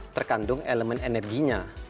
terkandung elemen energinya